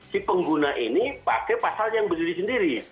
si pengguna ini pakai pasal yang berdiri sendiri